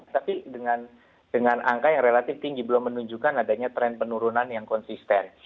tapi dengan angka yang relatif tinggi belum menunjukkan adanya tren penurunan yang konsisten